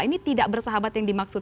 ini tidak bersahabat yang dimaksud